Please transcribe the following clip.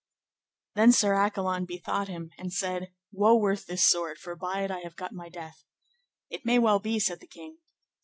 Then Sir Accolon bethought him, and said, Woe worth this sword, for by it have I got my death. It may well be, said the king.